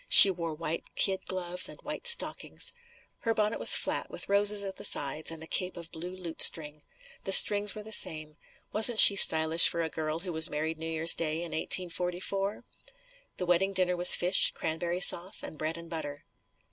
She wore white kid gloves and white stockings. Her bonnet was flat with roses at the sides and a cape of blue lute string. The strings were the same. Wasn't she stylish for a girl who was married New Years day in 1844? The wedding dinner was fish, cranberry sauce and bread and butter.